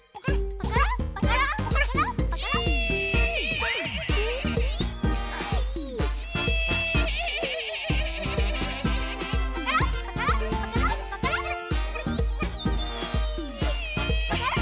パカラッパカラッ。